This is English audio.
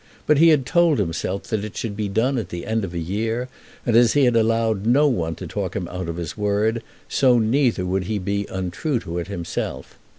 But he had told himself that it should be done at the end of a year, and as he had allowed no one to talk him out of his word, so neither would he be untrue to it himself.